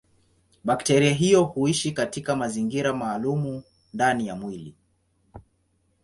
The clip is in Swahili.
Bakteria hiyo huishi katika mazingira maalumu ndani ya mwili.